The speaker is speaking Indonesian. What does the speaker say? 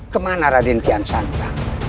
kemana raden kian santang